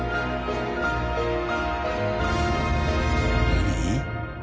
何？